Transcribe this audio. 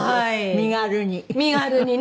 身軽にね。